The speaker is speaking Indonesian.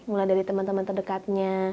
mulai dari teman teman terdekatnya